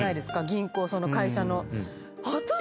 銀行その会社の。